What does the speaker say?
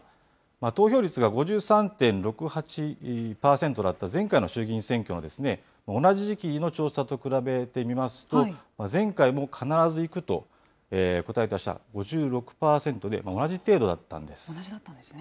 投票率が５３．６８％だった前回の衆議院選挙の同じ時期の調査と比べてみますと、前回も必ず行くと答えた人は５６％で同じ程度だ同じだったんですね。